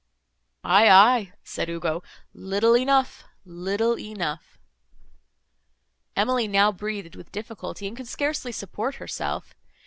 "Aye, aye," said Ugo, "little enough—little enough." Emily now breathed with difficulty, and could scarcely support herself.